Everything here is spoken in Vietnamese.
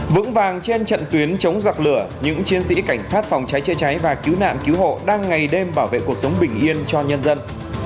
vững vàng trên trận tuyến chống giặc lửa những chiến sĩ cảnh sát phòng cháy chữa cháy và cứu nạn cứu hộ đang ngày đêm bảo vệ cuộc sống bình yên cho nhân dân